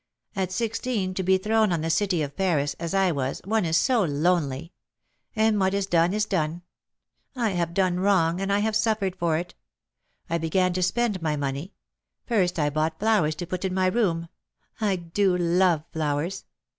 At sixteen, to be thrown on the city of Paris, as I was, one is so lonely; and what is done is done. I have done wrong, and I have suffered for it. I began then to spend my money: first, I bought flowers to put in my room, I do love flowers!